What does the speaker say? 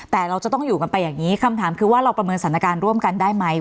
แต่เราจะต้องอยู่กันไปอย่างนี้คำถามคือว่าเราประเมินสถานการณ์ร่วมกันได้ไหม